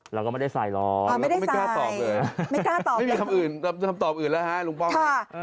เราก็ไม่ได้ใส่หรอกไม่ได้ใส่ไม่กล้าตอบเลยไม่มีคำตอบอื่นแล้วฮะลุงป้อม